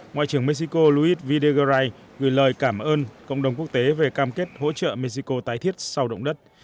ngoại trưởng mexico luis vegarai gửi lời cảm ơn cộng đồng quốc tế về cam kết hỗ trợ mexico tái thiết sau động đất